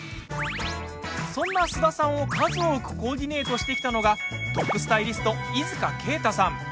そんな菅田さんを、数多くコーディネートしてきたのがトップスタイリスト猪塚慶太さん。